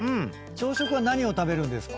朝食は何を食べるんですか？